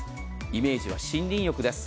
イメージは森林浴です。